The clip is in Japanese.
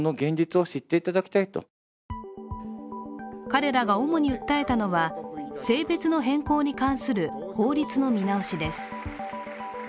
彼らが主に訴えたのは、性別の変更に関する法律の見直しです。